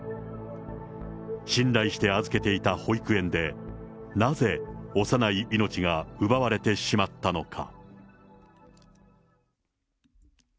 信頼して預けていた保育園で、なぜ幼い命が奪われてしまったのか。